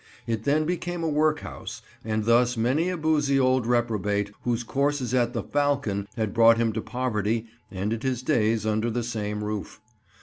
It then became a workhouse, and thus many a boozy old reprobate whose courses at the "Falcon" had brought him to poverty ended his days under the same roof.